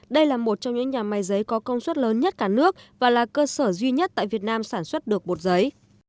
đây là một trong những nhà máy giấy có công suất lớn nhất cả nước và là cơ sở duy nhất tại việt nam sản xuất được bột giấy